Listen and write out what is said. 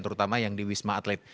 terutama yang di wisma atlet